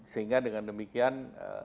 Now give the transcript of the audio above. sehingga dengan demikian